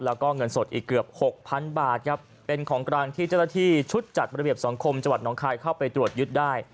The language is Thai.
แล้วก็เงินสดอีกเกือบหกพันบาทครับเป็นของกลางที่เจ้าหน้าที่ชุดจัดระเบียบสังคมจังหวัดน้องคายเข้าไปตรวจยึดได้